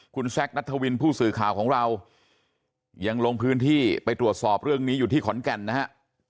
คุณแซคนัทวินผู้สื่อข่าวของเรายังลงพื้นที่ไปตรวจสอบเรื่องนี้อยู่ที่ขอนแก่นนะฮะ